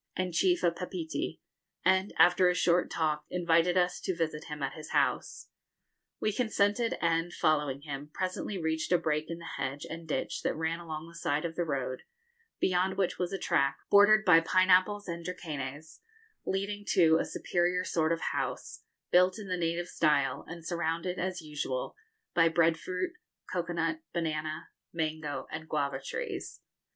and chief of Papeete, and, after a short talk, invited us to visit him at his house. We consented, and, following him, presently reached a break in the hedge and ditch that ran along the side of the road, beyond which was a track, bordered by pineapples and dracænas, leading to a superior sort of house, built in the native style, and surrounded, as usual, by bread fruit, cocoa nut, banana, mango, and guava trees.